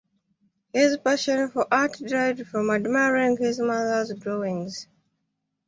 His passion for art derived from admiring his mother's drawings.